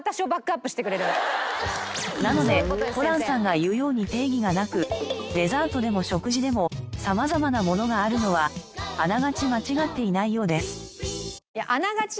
なのでホランさんが言うように定義がなくデザートでも食事でも様々なものがあるのはあながち間違っていないようです。